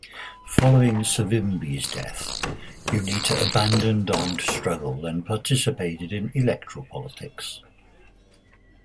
Following Savimbi's death, Unita abandoned armed struggle and participated in electoral politics.